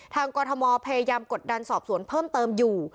กรทมพยายามกดดันสอบสวนเพิ่มเติมอยู่